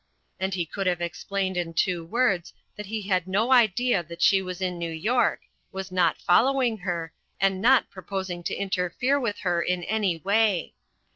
And he could have explained in two words that he had no idea that she was in New York, was not following her, and not proposing to interfere with her in any way.